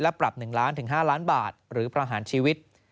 และปรับ๑๕ล้านบาทหรือประหารชีวิต